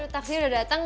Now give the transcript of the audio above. taksinya sudah datang